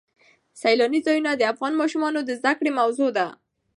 سیلانی ځایونه د افغان ماشومانو د زده کړې موضوع ده.